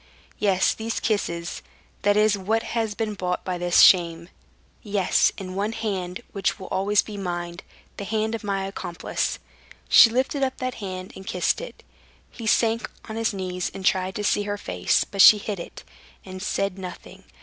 "Yes, these kisses—that is what has been bought by this shame. Yes, and one hand, which will always be mine—the hand of my accomplice." She lifted up that hand and kissed it. He sank on his knees and tried to see her face; but she hid it, and said nothing.